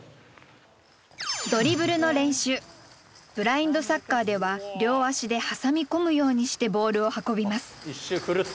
ブラインドサッカーでは両足で挟み込むようにしてボールを運びます。